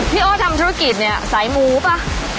โอ้ทำธุรกิจเนี่ยสายหมูป่ะ